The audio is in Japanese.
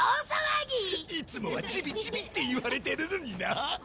いつもは「チビチビ」って言われてるのにな。